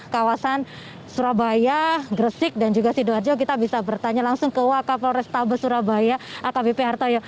kawasan surabaya gresik dan juga sidoarjo kita bisa bertanya langsung ke wakafel restabe surabaya atau bp hartoyo